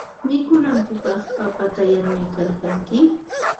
Mikunankupaq papata yanuykalkanki.